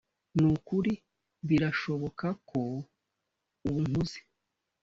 nukuri, birashoboka ko ubu nkuze,